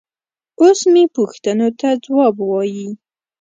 اوس مې پوښتنو ته ځواب وايي.